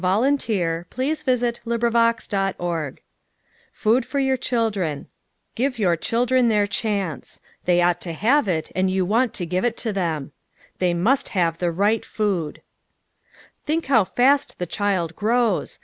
FOOD AGRICULTURE ^&/ ADMINISTRATION Food For Your Childree Give Your Children Their Chance They ought to have it and you want to give it to thern. They Must Have the Right Food Think how fast the child grows.